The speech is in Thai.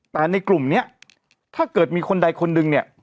แต่ในกลุ่มนี้ถ้าเกิดมีคนใดคนหนึ่งเนี่ย